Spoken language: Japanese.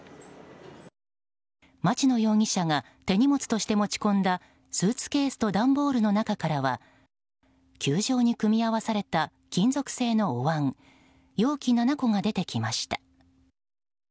町野容疑者が手荷物として持ち込んだスーツケースと段ボールの中からは球状に組み合わされた金属製のおわん容器７個が出てきました。